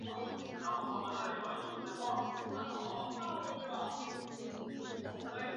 崇祯七年考中甲戌科进士。